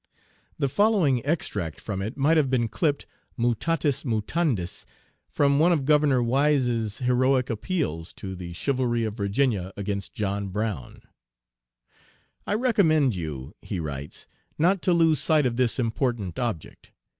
The following extract from it might have been clipped, mutatis mutandis, from one of Governor Wise's heroic appeals to the chivalry of Virginia against John Brown: "I recommend you," he writes, "not to lose sight of this important object.